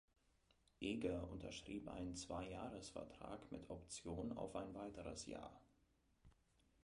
Eger unterschrieb einen Zweijahresvertrag mit Option auf ein weiteres Jahr.